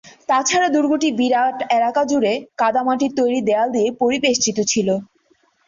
তাছাড়া দুর্গটি বিরাট এলাকা জুড়ে কাদামাটির তৈরি দেয়াল দিয়ে পরিবেষ্টিত ছিল।